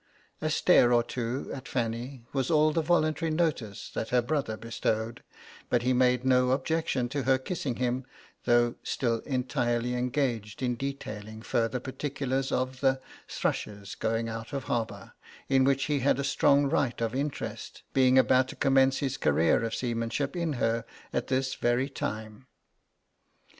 'A stare or two at Fanny was all the voluntary notice that her brother bestowed, but he made no objection to her kissing him, though still entirely engaged in detailing further particulars of the "Thrush's" going out of harbour, in which he had a strong right of interest, being about to commence his career of seamanship in her at this very time.